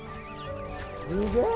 すげえ！